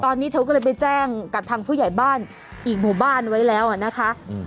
ตอนนี้เธอก็เลยไปแจ้งกับทางผู้ใหญ่บ้านอีกหมู่บ้านไว้แล้วอ่ะนะคะ